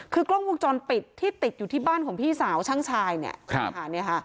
คือกล้องวงจรปิดที่ติดอยู่ที่บ้านของพี่สาวช่างชายเนี่ยค่ะ